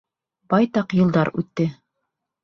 Байтаҡ йылдар үтте.